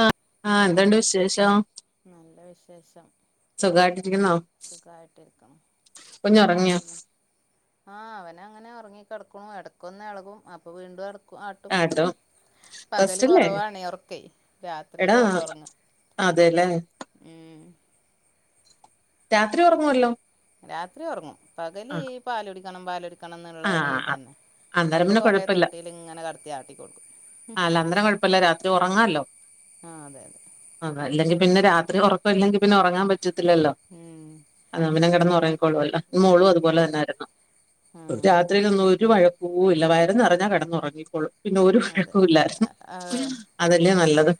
ആ ആഹ എന്തണ്ട് ആഹ് വിശേഷം നല്ല സുഖായിട്ടിരിക്കുന്നോ സുഖമായിട്ടിരിക്കും കുഞ്ഞുറങ്ങിയോ പിന്നെ ആ അവന അങ്ങനെ ഉറങ്ങി കിടക്കണ ഇടക്കൊന്ന് ഇളകും അപ്പോൾ വീണ്ടും ഇട ആട്ടും ആട്ടോ പകല് റെസ്റ്റല്ലേ കുറവാണ ഉറക്കേ എടാ രാത്രിയില ഉള്ളൂ ഉറങ്ങ അതെല്ലേ ഉം രാത്രി ഉറങ്ങുവല്ലോ രാത്രി ഉറങ്ങും പകല് ആ പാലൊടിക്കണം പാലൊടിക്ക ക്കണം ആ എന്നുള്ള ആ, ഇതന്നെ അന്നേരം അപ്പൊ പിന്നെ കൊറെ കുഴപ്പമില്ല തൊട്ടിൽ ഇങ്ങനെ കടത്തിയാട്ടി കൊടുക്കും [unintelligible] കുഴപ്പമില്ല രാത്രി ഉറങ്ങാല്ലോ ആ അതെ അതെ പിന്നെ രാത്രി ഉറക്കം ഇല്ലെങ്കി പിന്നെ ഉറങ്ങാൻ പറ്റത്തില്ലല്ലോ ഉം അ പിന്നെ കിടന്ന് ഉറങ്ങിക്കോളുവല്ലോ മോളും അതുപോലെ രാ തന്നൊയിരുന്നു ആഹ് രാത്രിയിൽ ഒന്നും ഒരു വഴക്കവും ഇല്ല വയറ് നിറഞ്ഞാ കിന്നുറങ്ങിക്കൊളും ഒരു അതെ [unintelligible] ഇല്ല ആഹ് അതല്ലേ നല്ലത്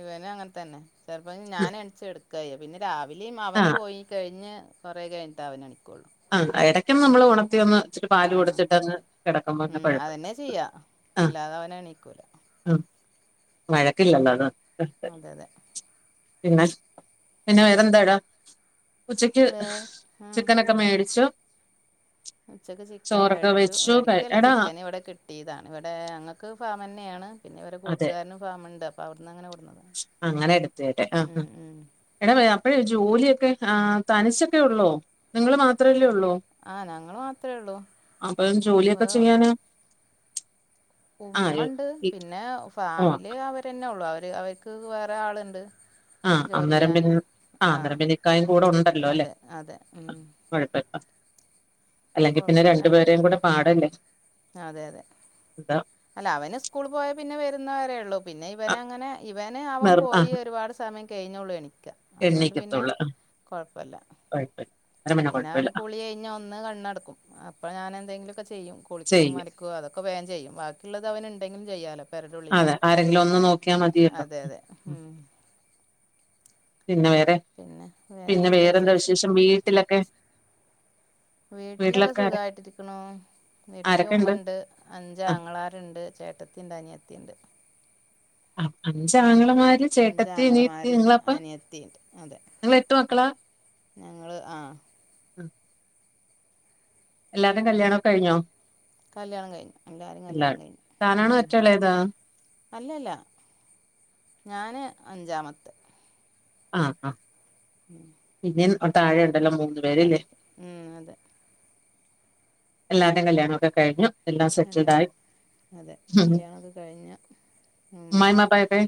ഇവനും അങ്ങനെ തന്നെ ചെറപ്പ ഞാൻ എണച്ച് എടുക്കയ്യ പിന്നെ രാവിലെ ആ അവന് പോയി കഴിഞ്ഞ് കുറേ കഴഞ്ഞിട്ട് അവനണിക്കോുള്ളൂ ആ് അടയ്ക്കും നമ്മള് ഉഓ ക ഒന്ന് ഇച്ചിരി പാല് ആഹ് കൊടുത്തിട്ട്ന്ന് കിടക്കുമന്ന ഉം കുഴപ്പില്ല ആ ക്കല മഴക്കില്ലല്ലോ ല് അതെ അതെ പിന്നെ പിന്നെ വേറേ ന്താടാ ഉച്ചക്ക് വേ ഉം ചിക്കനൊക്കെ മേടിച്ചു ഉച്ചക്ക് ചിക്കൻ ചോറൊക്കെ മേടിച്ചു വെച്ചു കഴി- മേടിക്കല്ല എടാ ചിക്കൻ ഇവിടെ കിട്ടിയതാണ് ഇവിടെ ങ്ങക്ക് ഫാമ ന്നെയാണ് പിന്നെ അവരു അതെ കൂട്ടുകാരനും ഫാമ് ണ്ട് അവിടെന്ന്ങ്ങെ അങ്ങനെ എടുത്തട്ടെ ആഹ് ഉം എട അഴേ ജോലിയൊക്കെ ആ തനിച്ചൊക്കെ ഉള്ളു നിങ്ങൾ മാത്രമല്ലേ ആഹ് ഞങ്ങൾ മാത്രമേ ഉള്ളൂ അപ്പോ ജോലിയൊക്കെ അപ്പോൾ ചെയ്യാന ഉമ്മ ഉണ്ട് ഇ- പിന്നെ ഓ ഫാമിലി അവരെന്നെ ഉള്ളു അവ അവയ്ക്ക് വേറെ ആളുണ്ട് ആഹ് ജോലി അന്നേരം ചെയ്യാന് പിന്നെ ആ അന്നേരം പിന്നെ ഇക്കായും കൂടെ ഉണ്ടല്ലോ അല്ലേ അതെ അതെ ഉം കുഴപ്പമില്ല അല്ലെങ്കി പിന്നെ കുഴപ്പമില്ല രണ്ടു പേരേും കൂടെ പാടല്ലേ അതെ അതെ എന്താ അല്ല അവന് സ്കൂൾ പോയ പിന്നെ വരുന്നവരേ ഉള്ളൂ പിന്നെ ആ ഇവന അങ്ങനെ ഇവന് അവൻ പോയി ഒരുപാട് സമയം കഴിഞ്ഞോളേണി എണ്ണിക്കത്തുള്ളൂ ആ കുഴപ്പല്ല പിന്നെ അവന് കുളി കഴിഞ്ഞ ഒന്ന് കണ്ണടക്കും അപ്പൊ ഞാൻ എന്തെങ്കിലുമൊക്കെ ചെയ്യും കുളിക്കും അലക്കും അതൊക്കെ ഒക്കെ വേൻ ചെയ്യും ബാക്കിയുള്ളത് അവന് ഉണ്ടെങ്കിലും ചെയ്യാല്ലോ അതെ ആരെങ്കിലും ഒന്ന് നോക്കിയാ മതിയല്ലോ അതെ അതെ ഉം. പിന്നെ വേറെ പിന്നെ വേറെന്താ വിശേഷം വീട്ടിലൊക്കെ വീട്ടിലൊക്കെ സുഖായിട്ടിരിക്കണു വീട്ടില ആരൊക്കെ ഉണ്ട് ഉമ്മുണ്ട് ആ അഞ്ചാങ്ങളാരുണ്ട് ചേട്ടത്തി ഉണ്ട് അനിയത്തിണ്ട് അഞ്ച് ആങ്ങ മാര് ചേട്ടത്തി അനിയത്തി അഞ്ചാങ്ങളമാര് നിങ്ങളപ്പം അനിയത്തിണ്ട് അതെ നിങ്ങള് എട്ട് മക്കളാ ഞങ്ങള് ആഹ ഉം എല്ലാരും കല്യാണമൊക്ക കഴിഞ്ഞോ കല്ല്യാണം കഴിഞ്ഞു എല്ലാരും കല്യാണം കഴിഞ്ഞു താനാണോ ഉ ഒറ്റളേതാ അല്ലല്ല ഞാൻ അഞ്ചാമത്തെ ആ ആ ഉം [unintelligible] ൻ [unintelligible] അതെതെ ഉം അതെ എല്ലാരുടെയും കല്യാണമൊക്കെ കഴിഞ്ഞു എല്ലാം സെറ്റിൽഡ് ആയി എല്ലാരും അതെ ഉം. കല്യാണമൊക്കെ കഴിഞ്ഞു ഉം ഉമ്മായും വാപ്പായൊക്കെ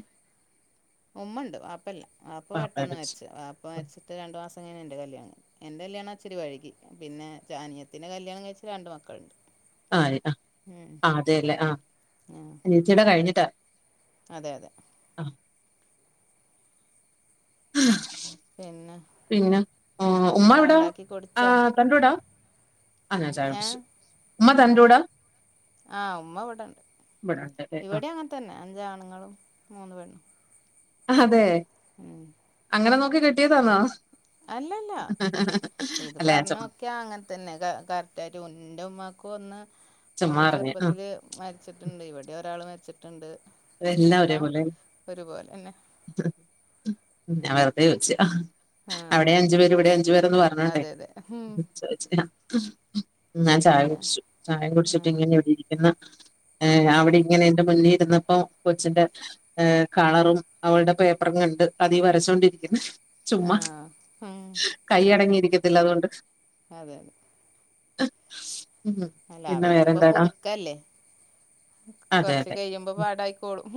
ഉമ്മ ഉണ്ട് വപ്പല്ല വാപ്പ പെട്ടെന്ന് വാപ്പയുടെ മരിച്ചു വാപ്പ വരിച്ചിട്ട് രണ്ടു മാസം അങ്ങനെ എന്റെ കല്യാണം ന്റെ കല്യണം ഇച്ചിരി വൈകി പിന്നെ അനിയത്തിന്റെ കല്യാണം കഴിച്ച് രണ്ട് മക്കളുണ്ട് ആ ആ ആ അതെല്ലേ ആ ഉം അനിയത്തീടെ കഴിഞ്ഞിട്ടാ അതെ അതെ ആ പിന്നെ പിന്നെ ഉമ്മ ചായ എവിടാ ഉണ്ടാക്കി ആ കുടിച്ചാ തന്റെ കൂടാ ആ ഞാൻ ചായ ഏ കുടിച്ചു ഉമ്മ തന്റെ കൂടാ ആ ഉമ്മ വടെണ്ട്. ഇവിടെ ഉണ്ട് അല്ലേ ആ ഇവിടെയങ്ങൻതന്ന അഞ്ചാണുങ്ങളും മൂന്ന് പെണ്ണും. അതേ, ഉം. അങ്ങനെ നോക്കി കെട്ടിയതാന്നോ അല്ലല്ല ഇത് അല്ല ഞാൻ ചുമ്മാ പറഞ്ഞൊക്കെ അങ്ങനെ തന്നെ കറക്റ്റായിട്ട് എന്റെ ഉമ്മാക്കും ഒന്ന് ആ ചുമ്മാ ഓ അറിഞ്ഞു ആ ചെർപ്പത്തില് മര്ച്ചിട്ട്ണ്ട്. ഇവടിം ഒരാള് മര്ച്ചിട്ട്ണ്ട്. എല്ലാ ഒരേ പോലെ, ഒരുപോലെ തന്നെ [unintelligible] ഞാ വേ അതെ ചോയിച്ചേ, ആ ആ അവിടെ അഞ്ചു പേര് ഇവിടെ അഞ്ചു പേരെന്ന് പറഞ്ഞോണ്ടേ, അതെ അതെ ഉം. ചോയിച്ചെ ഞാൻ ചായ പിന്നെ കുടിച്ചു. ചായ ആ കുടിച്ചിട്ട് ഇങ്ങനെവിടെരിക്കുന്ന ഏ, ആ അവിടിങ്ങനെ എന്റെ മുന്നി ഇരുന്ന് ഇപ്പൊ, കൊച്ചിന്റെ ഏ കളറും അവൾടെ പേപ്പറും കണ്ട് അതീ വരച്ചോണ്ടിരിക്കുന്ന് ആ ചുമ്മാ, ഉം. കൈയടങ്ങിയിരിക്കത്തില്ല അതോണ്ട്. അതെ, അതെ. ഉം. അല്ല പിന്നെ അവർക്ക്പ്പൊ വേറെന്താടാ പുതുക്കല്ലേ, അതെ കൊർച്ച് അതെ കയുമ്പോ ഉം. പാടായി ക്കോളും.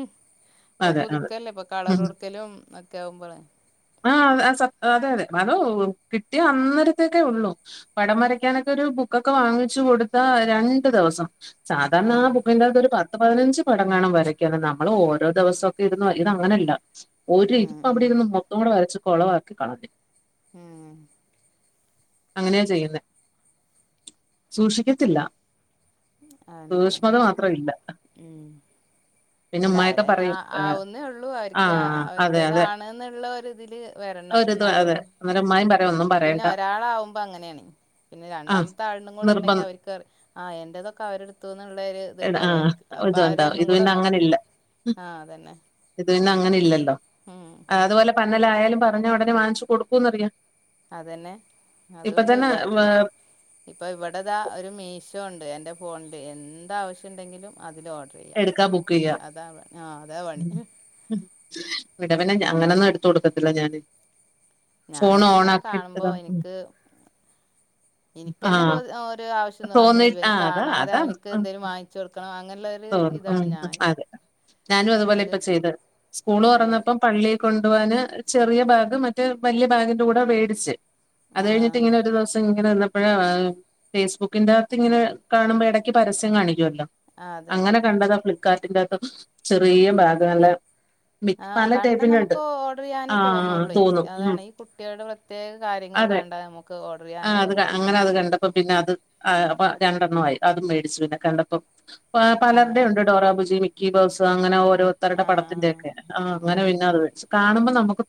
ഇപ്പൊ അതെ അതെ പുതുക്കല്ലേ ഇപ്പൊ കളറൊട്ക്കലും ഒക്കാവുമ്പളേ ആ [unintelligible] ആ അതെ അതെ, അതോ കിട്ടിയ അന്നരത്തേക്കെ ഒള്ളൂ. പടം വരയ്ക്കാനൊക്കെരു ബുക്കൊക്കെ വാങ്ങിച്ചു. കൊടുത്താ രണ്ട് ദെവസം, ആ സാധാരണാബുക്കിന്റെകത്തൊരു പത്ത് പതിനഞ്ച് പടംങ്ങാണം വരയ്ക്കും. ക്കാണ്. നമ്മള് ഓരോ ദെവസൊക്കെ രുന്ന് ഇത് അങ്ങനെയല്ല, ഒരു ഉം ഉം ഇരുപ്പവിടെ ഇരുന്ന് മൊത്തം കൂടെ വരച്ച് കൊളവാക്കി കളഞ്ഞ്. ഏ! അങ്ങനെയാ ചെയ്യുന്നെ, സൂഷിക്കത്തില്ലാ. അതെന്നെയാണ് സൂഷ്മത മാത്രമില്ല. ഉം അല്ല അവരതിനാ ആവുന്നേള്ളൂ, അവര്ക്ക് ആഹ് അതെ അതെ അവരുടേതാണ്ന്ന്ള്ളൊ രിതില് വരണം. [unintelligible] എന്നാലേ അതെ, ഉള്ളൂ ന്നലെ മ്മ പിന്നെ ഒരാളാവുമ്പോ അങ്ങനേണ്. പിന്നെ ആഹ് രണ്ടാമത്തെ ആൾനും കൂടെ ഉണ്ടെങ്കി നിർബന്ധം അവര്ക്കറി ആഹ് എന്റേതൊക്കെ അവരെടുത്തുന്ന്ള്ളെരു എടാ ത്ണ്ടാവും ആഹ് അവര്ക്ക്. അപ്പ ഇതുണ്ടാവും അവരെന്നും ഇത് കൂടെ പിന്നെ അങ്ങനെ നോക്കും. ആഹ് അതന്നെ. അത്പിന്നെ അങ്ങനെയില്ലല്ലോ, ഉം ആ അത്പോലെ പന്നലായാലും പറഞ്ഞ ഉടനെ വാങ്ങിച്ച് കൊടുക്കൂന്നറിയാം. അതെന്നെ, ഇപ്പൊ അതൂണ്ട്. തന്നെ പ്പൊ ഇ ഇപ്പൊ ഇവടതാ ഒരു മീശോ [unintelligible] എന്റെ ഫോണ്ല് എന്താവശ്യണ്ടെങ്കിലും അ എട്ക്കാ ബുക്കെയ്യ, ആ അതാ ഉം പണി ഉം വടെ പിന്നെ ഞാ അങ്ങനൊന്നും എട്ത്ത് കൊട്ക്കത്തില്ല ഞാന്. ഫോൺ ഓൺ ഞാനിങ്ങനെ കാണുമ്പോ ആക്കിട്ടതാ എനിക്ക്, ആ എനിക്കന്നെ കൊ ഓരോ ആവശ്യംന്ന് പർഞ്ഞ് തോന്നി ഇവന് ആ അതാ കാണാതെ അതാ അവന്ക്ക് എന്തേലും വാങ്ങിച്ചു കൊട്ക്കണം, അ തോന്നും. ഉം അതെ, ഞാനും അതുപോലെ ഒരു ഇപ്പ ചെയ്ത്. സ്കൂള് തൊറന്നപ്പം പള്ളി കൊ ണ്ടോവാന് ചെറിയ ബാഗ് മറ്റേ വല്യ ബാഗിന്റെ കൂടെ വേടിച്ച്. അത് കഴിഞ്ഞിട്ട് ആഹ് ഇങ്ങനൊരു ദെവസം ഇങ്ങനെര്ന്നപ്പഴാ ഫേസ്ബുക്കിന്റാത്തിങ്ങനെ കാണുമ്പോ ഇടയ്ക്ക് പര സ്യം കാണിക്ക്യോല്ലോ. അതെ അതെ അങ്ങനെ ഉം കണ്ടതാ ഫ്ലിപ്കാർട്ടിൻ്റൊക്കെ ചെറിയ ബാഗ് അല്ലേ. ആഹ്, കണ്ട നമക്ക് ഓർഡറെയ്യാനേ ആഹ് തോന്നൊള്ളയ്, തോന്നും ഉം അതാണ് ഈ കുട്ടിൾടെ പ്രത്യേക കാര്യങ്ങൾ ക അതെ കണ്ട നമുക്ക് ഓർഡർ ചെയ്യാനേ തോന്നൊള്ളൂ. പ്പ പിന്നെ അത് ആ പ രണ്ടെണ്ണവായി. അതും മേടിച്ച്. പിന്നെ കണ്ടപ്പം ആ പലര്ടെ ആഹ് ഉണ്ട്. ഡോറബുജി, മിക്കി ബൗസ്, അങ്ങനെ ഒ രോത്തര്ടെ ആഹ് ആഹ് പടത്തിന്റെയൊക്കെ, ആഹ് അങ്ങനെ പിന്നെ അത് വെച്ച്, കാണുമ്പോ നമുക്കു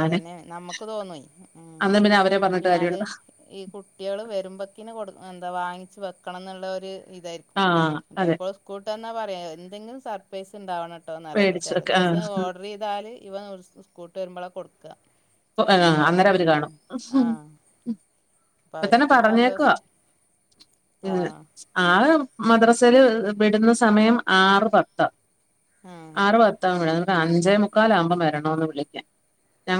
അതന്നെണ്, നമ്മക്ക് തോന്നെയ് അന്ന് പിന്നെ അവരെ പറഞ്ഞിട്ട് പിന്നെ, അത് കാര്യമുണ്ടോ ഈ കുട്ട്യേള് വരുമ്പക്കിന് കൊടു എന്താ വാങ്ങി വെക്കണംന്ന്ള്ളൊര് ഇതായിര്ക്കും. ആഹ് അതെ എപ്പളും സ്കൂൾട്ടെ [unintelligible] പറയാ എന്തങ്കിലും സർപ്രൈസ് ഉണ്ടാവണംട്ടാ കേട്ടോന്നറിയപ്പ മേടിച്ചു ചെല ഒക്കെ ദിവസം ആഹ് ഓഡറെയ്താല് ഇവൻ സ്കൂട്ട് വരുമ്പള കൊടുക്ക. [unintelligible] ആ അന്നേരം അവര് കാണും ആഹ് അപ്പൊ ഇപ്പൊ തന്നെ അവർക്കൊരു പറഞ്ഞേക്കുവ സന്തോഷം ഉം ആഹ് ആ മദ്റസേല് [unintelligible] വിട്ന്ന സമയം ആറ് പത്ത്. ആഹ് ആറ് പത്താവും വിടാന്. ആഹ്, അഞ്ചേ മുക്കാലാവുമ്പം വരണോന്ന് വിളിയ്ക്കാൻ.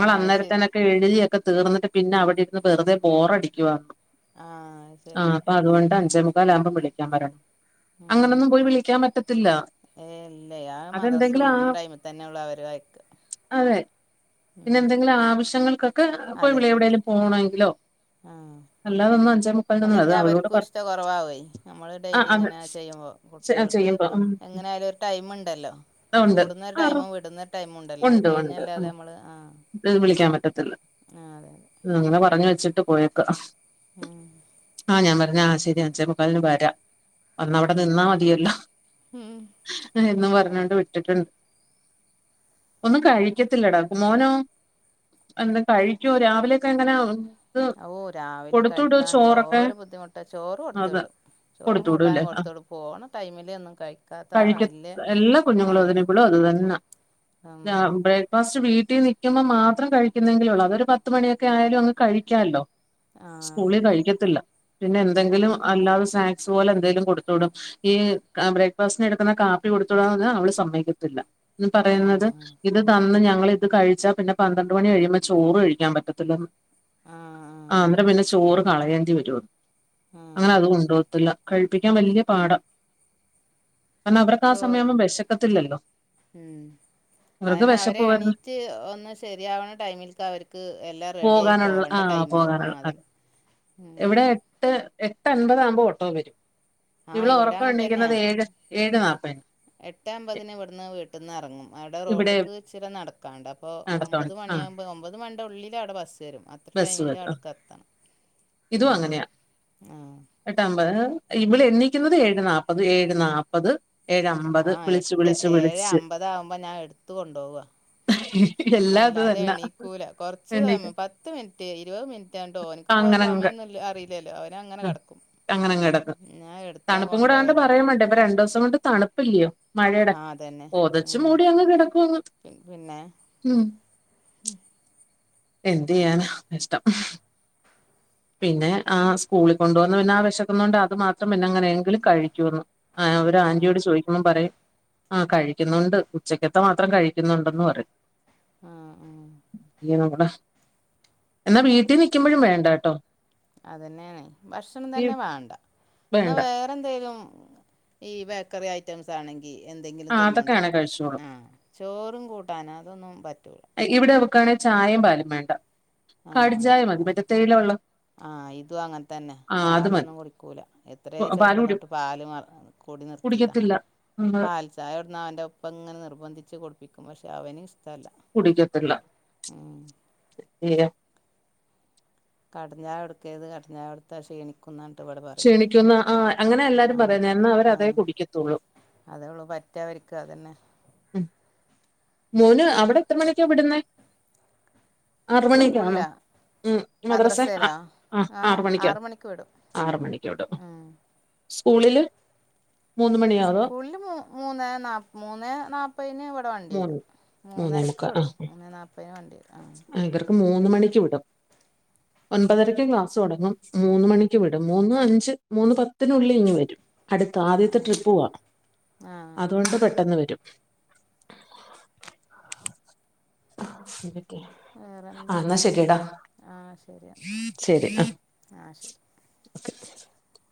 ആ അയ്ശരി ഒക്കെ എഴതി ഒക്കെതീർന്നിട്ട് പിന്നെ അവിടെര്ന്ന് വെറുതെ ബോറടിക്കുവാ ആഹ് അത് ആ ശരി അപ്പൊ അതുകൊണ്ട് അഞ്ചേ മുക്കാലാകുമ്പോ വിളിക്കാൻ വരണം അങ്ങനൊന്നും പോയി വിളിക്കാൻ പറ്റത്തില്ല ഏ ല്ലേ ആ അതെന്തെങ്കിലും ആ മദ്രാസവിടുന്ന ടൈമി തന്നെയൊള്ളു അവര് അയക്കാ അതെ പിന്നെ എന്തെങ്കിലും ആവശ്യങ്ങൾക്കൊക്കെ അ അപ്പൊ എവിടെേങ്കിലും പോണങ്കിലോ ആ അത് അല്ലെങ്കി അവളോട് അവർക്കും പറ ഇഷ്ട കുറവാവേ നമ്മള് ആഹ് ഡെയിലി ഇങ്ങനെ അതെ ചെയ്യുമ്പോ കുട്ട്യാക്ക് ക്ക് ചെയ്യുമ്പോ ഉം എങ്ങനായാലും ഒരു ടൈമ്ണ്ടല്ലോ ഉണ്ട് കൂടുന്നൊരു ആറ് ടൈമും വിടുന്നൊരു ടൈമും ഉണ്ടല്ലോ അത് ഉണ്ട് കഴിഞ്ഞല്ലാതെ നമ്മള് ആ റ്റത്തില്ല അങ്ങനെ പറഞ്ഞ് വെച്ചിട്ട് പോയേക്കാ ഉം ആ ഞാൻ പറഞ്ഞേ ആ ശരിയാ അഞ്ചേമുക്കാൽന്ന് വരാ അന്നവിടെ നിന്നാ മതിയല്ലോ ഉം എന്നും പറഞ്ഞാണ്ട് വിട്ടിട്ടുണ്ട് ഒന്നും കഴിക്കത്തില്ലടാ മോനോ എന്താ കഴിക്കോ രാവിലെയൊക്കെ എങ്ങനാവൻ ഓ രാവിലെ കഴിക്കാൻ എന്തോരം ബുദ്ധിമുട്ടാ ചോറ് കൊടുത്തു അത് വിടും ചോറും കൊടുത്തു വിടൂല്ലേ കൂട്ടാനും ആ കൊടുത്ത്ടും പോണ ടൈമില് ഒന്നും കഴിക്കാത്തതാണ് കഴിക്ക വല്ല്യ ആ ആ ബ്രേക്ക്ഫാസ്റ്റ് വീട്ടിൽ നിക്കുമ്പോ മാത്ര ത്രം കഴിക്കുന്നെങ്കിലൊള്ളൂ അത് ഒരു പത്ത് മണിഒക്കെ ആയാലും അങ്ങ് കഴിക്കാല്ലോ ആഹ് അതെ സ്കൂളിൽ അതെ കഴിക്കത്തില്ല പിന്നെ കോൾ എന്തെങ്കിലും അല്ലാതെ സ്നാ ക്സ് പോലെ എന്തേലും കൊടുത്ത്ടും ഈ ബ്രേക്ക്ഫാസ്റ്റിന് എടുക്കുന്ന കാപ്പി കൊടുത്ത്ടാന്ന് പറഞ്ഞാ അവള് സമ്മതിക്കത്തില്ല ഉം ആഹ് ആഹ് പറയുന്നത് ഇത് തന്ന് ഞങ്ങള് ഇത് കഴിച്ചാ പിന്നെ പന്ത്രണ്ട് മണി കഴിയുമ്പോ ചോറ് കഴിക്കാൻ പറ്റത്തില്ലന്ന് ആഹ് ആഹ് ആം പിന്നെ ചോറ് കളയേണ്ടി വരോന്ന് ആഹ് അങ്ങനെ അതും കൊണ്ടോകത്തില്ല കഴിപ്പിക്കാൻ വല്ല്യ പാടാ കാരണം അവർക്ക് ആ ചോറ് സമയം ആവുമ്പം വെശക്കത്തില്ലല്ലോ അയന്നെ അവരെ എണീറ്റ് ഒ ഒന്ന് ശരിയാവണ ടൈമിൽക്ക് അവർക്ക് എല്ലാം റെഡി ആയി പോവണ്ട ടൈം ആവും ആ അതന്നെ ഉം എവിടെ എട്ട് അൻപത് ആകുമ്പോ ഓട്ടോ വരും ഇവള് ഒറക്കം എണ്ണിക്കുന്നത് ഏഴ് ഏഴ്നാ എട്ടേഅമ്പതിന് ഇവിടുന്ന് വീട്ടിൽന്ന് എറങ്ങും അവിടെ ഇവിടെ റോട്ടക്ക് ഇച്ചിരി നടക്കാണ്ട് അപ്പൊ അപ്പോൾ ഒമ്പത് നടത്തോണ്ട് ആ മണിയാകുമ്പോൾ പോ ഒമ്പത് മണിയാവുമ്പോ ഒമ്പത് മണിന്റെ ഉള്ളില് അവിടെ ബസ്സ്‌ വരും അത്ര ബസ് ടൈമിൻ്റെ വരും ആ. അടയ്ക്ക് എത്തണം ഇതും അങ്ങനെ അങ്ങനെയാ ആ എട്ടെഅമ്പ ഇവള് എണീക്കുന്നത് ഏഴ്നാപ്പത് ഏഴ്നാപ്പത് ആ എട്ടെ ഏഴേഅമ്പതാകുമ്പോ ഞാൻ എടുത്ത കൊണ്ടുപോവാ എല്ലാം അല്ല ഇത് തന്നെ അതെണീക്കൂല കൊർച്ച് എണീക്കും സമയം പത്ത് മിൻറ്റ് ഇരുപത് മിൻറ്റാണ്ട് ഓൻക്ക്പ്പൊ ആ അങ്ങനെ അങ്ങ് സമയമൊന്നുല്ല അറിയില്ലല്ലോ അവനങ്ങനെ കടക്കും അങ്ങനെങ്ങടക്കും തണുപ്പും കൂടാവുമ്പോ പറയുംവേണ്ട ഇപ്പൊരണ്ട് രണ്ടൂസം കൊണ്ട് തണുപ്പില്ലയോ മഴേടെ ആ അതന്നെ ഉം പൊതച്ച്മൂടി അങ്ങ് കിടക്കും അങ്ങ് പിന്നെ ഉം എന്ത് ചെയ്യാനാ ഇഷ്ടം പിന്നെ ആ സ്കൂളിൽ കൊണ്ടോവ്ന്ന പിന്നെ ആ വെശക്കുന്നോണ്ട് അത് മാത്രം പിന്നെ അങ്ങനെയെങ്കിലും കഴിക്കൂന്ന് ആഹ് അവരെ ആ ആന്റി യോട് ചോദിക്കുമ്പം പറയും ആ കഴിക്കുന്നുണ്ട് ഉച്ചക്കത്തെ മാത്രം കഴിക്കുന്നുണ്ടന്ന് പറയും ആ ആ [unintelligible] നമ്മുടെ എന്നാ വീട്ടിൽ നിക്കുമ്പഴും വേണ്ടാട്ടോ അതന്നെയാണേ ഭക്ഷണം തന്നെ വാണ്ട എന്നാ വേണ്ട വേറെ എന്തെങ്കിലും ഈ വ ക്കറി ഐറ്റംസ് ആണെങ്കിൽ എന്തെങ്കിലും ആ അതൊക്കെയാണെ തിന്നോണ്ടിരിക്കും കഴിച്ചോളും ആ ചോറും കൂട്ടാന അതൊന്നും പറ്റ ഇവിടെ വെക്കുകയാണെങ്കിൽ ചായയും പാലും വേണ്ട ആ കടുചായ മതി അതന്നെ മറ്റത്തേയില വെള്ളം ആഹ് ഇതും അങ്ങനെ തന്നെ ആ അത് മതി പാലൊന്നും കുടിക്കൂല എത്രയ പാല് ചെറുപ്പം കുടി തോട്ട് പാൽ നിർതീത കുടിക്കത്തില്ല നമ്മള് പാൽ ചായവിടന്ന് അവന്റെ ഒപ്പം ഇങ്ങനെ നിർബന്ധിച്ച് കൊടുപ്പിക്കും പക്ഷെ അവന് ഇഷ്ടമല്ല കുടിക്കത്തില്ല. ഉം കടഞ്ഞാ എടുക്കത് കടഞ്ഞാ എടുത്താ ക്ഷീണിക്കും ക്ഷീണിക്കുന്ന ആ അങ്ങനെ എല്ലാരും പറയാ എന്നാ അവരതേ കുടിക്കത്തുള്ളൂ അതേള്ളു പറ്റാ വരിക്കും അതന്നെ ഉം മോന് അവിടെ എത്ര മണിയൊക്കാ വിടുന്നേ? ആറ മണിക്കാണോ സ്കൂളിലാ ഉ മദ്രാസ ആ മദ്രസയിലാ ആ ആറ ആഹ് മണിക്കാ ആറ് മണിക്ക് വിടും ഉം സ്കൂളിൽ മൂന്ന് മണിയോ അതോ സ്കൂളില് മ മൂന്ന്േ നാ മൂന്ന്േ നാല്പ്പതിന് ഇവിടെ വണ്ടി വരും മൂന്ന് മൂന്നേ മൂന്നരക്ക് മുക്കാൽ ആ വിടും മൂന്ന് നാല്പ്പതിന് വേണ്ടി ആ മൂന്ന്മണക്ക് വിടുംഒൻപതരക്ക് ക്ലാസ്സ്തൊടങ്ങും മൂന്ന്മണി വിട് മൂന്ന് അഞ്ച് മൂന്ന്പത്തിനുള്ളിൽങ്ങ് വരും അടുത്ത ആഹ് ആഹ് ആദ്യത്തെട്രിപ്പ്പോവാ ആഹ് അതുകൊണ്ട്പെട്ടെന്ന് വരും [inaudible] വേറെന്താ എന്നാ ശരി ഡാ ആഹ് ശരിയെന്നാ ശരി ആഹ് ശരി [inaudible]